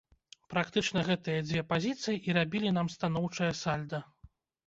Практычна гэтыя дзве пазіцыі і рабілі нам станоўчае сальда.